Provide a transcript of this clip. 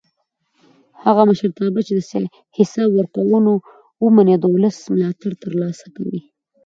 هغه مشرتابه چې حساب ورکوونه ومني د ولس ملاتړ تر لاسه کوي